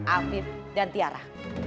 afif dan tiara